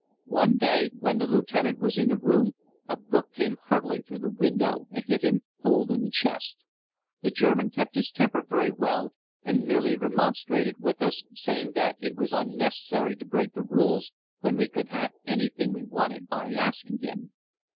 One day when the lieutenant was in the room, a book came hurtling through the window and hit him full in the chest. The German kept his temper very well and merely remonstrated with us, saying that it was unnecessary to break the rules when we could have anything we wanted by asking him.